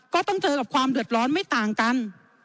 ก็ต้องเจอกับความเดือดร้อนไม่ต่างกัน